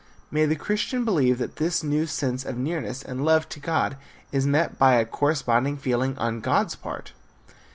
May the Christian believe that this new sense of nearness and love to God is met by a corresponding feeling on God's part?